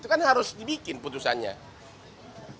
itu kan harus dikirimkan ke pengelolaan negeri